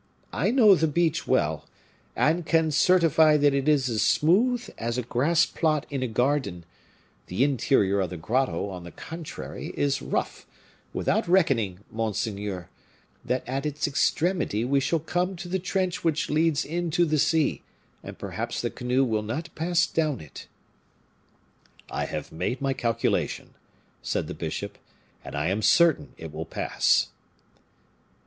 I know the beach well, and can certify that it is as smooth as a grass plot in a garden; the interior of the grotto, on the contrary, is rough; without reckoning, monseigneur, that at its extremity we shall come to the trench which leads into the sea, and perhaps the canoe will not pass down it." "I have made my calculation," said the bishop, "and I am certain it will pass."